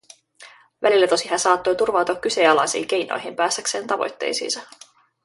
Välillä tosin hän saattoi turvautua kyseenalaisiin keinoihin päästäkseen tavoitteisiinsa.